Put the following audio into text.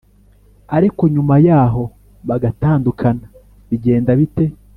ariko nyuma yaho bagatandukana bigenda bite?